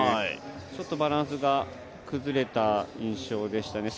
ちょっとバランスが崩れた印象でしたね。